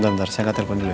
sebentar saya abangor